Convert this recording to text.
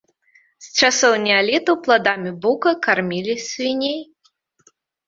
З часоў неаліту пладамі бука кармілі свіней.